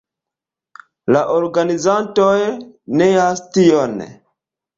La organizantoj neas tion.